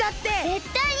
ぜったいに！